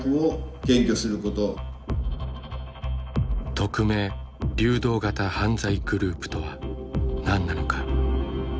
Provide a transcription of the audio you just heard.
匿名・流動型犯罪グループとは何なのか。